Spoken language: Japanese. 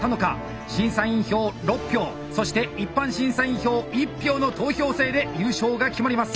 審査員票６票そして一般審査員票１票の投票制で優勝が決まります。